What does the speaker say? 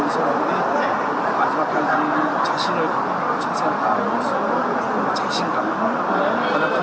jadi pasti akan lebih banyak prestasi yang baik